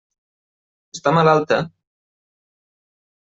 Està malalta?